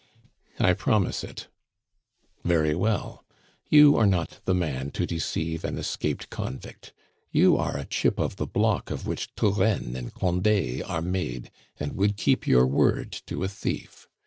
"I promise it." "Very well; you are not the man to deceive an escaped convict. You are a chip of the block of which Turennes and Condes are made, and would keep your word to a thief.